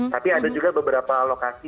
tapi ada juga beberapa lokasi